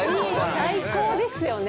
最高ですよね。